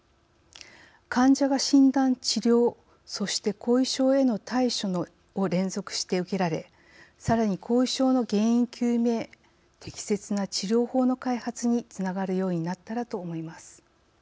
患者が診断・治療そして後遺症への対処を連続して受けられさらに、後遺症の原因究明適切な治療法の開発につながるようになったらと思います。